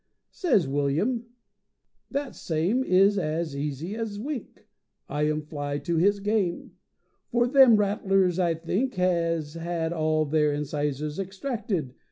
Sez William, "That same Is as easy as wink. I am fly to his game; For them rattlers, I think, Has had all their incisors extracted.